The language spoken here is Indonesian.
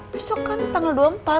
besok kan tanggal dua puluh empat